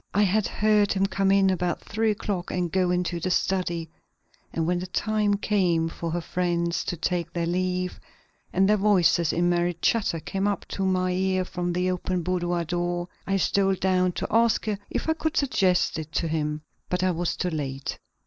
I had heard him come in about three o'clock and go into the study, and when the time came for her friends to take their leave, and their voices in merry chatter came up to my ear from the open boudoir door, I stole down to ask her if I could suggest it to him. But I was too late.